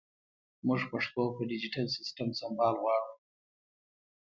مونږ پښتو په ډیجېټل سیسټم سمبال غواړو